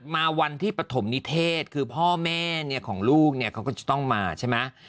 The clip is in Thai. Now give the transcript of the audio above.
มาวันที่ปฐมนิเทศคือพ่อแม่ของลูกเนี่ยเขาก็จะต้องมาใช่ไหม